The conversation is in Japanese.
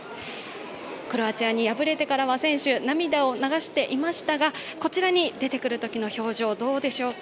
クロアチアに敗れてからは選手涙を流していましたがこちらに出てくるときの表情、どうでしょうか。